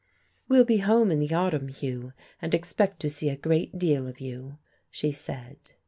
"We'll be home in the autumn, Hugh, and expect to see a great deal of you," she said.